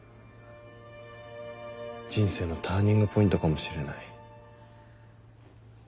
人生のターニングポイントかもしれない。